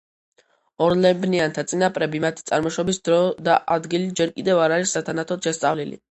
ორლებნიანთა წინაპრები, მათი წარმოშობის დრო და ადგილი ჯერ კიდევ არ არის სათანადოდ შესწავლილი.